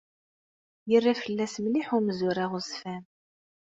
Yerra fell-as mliḥ umzur aɣezfan.